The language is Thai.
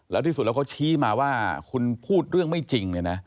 แล้วที่สุดแล้วเขาชี้มาว่าคุณพูดเรื่องไม่จริง